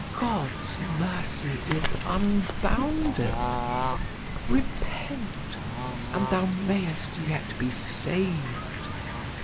God's mercy is unbounded. Repent! and thou mayest yet be saved."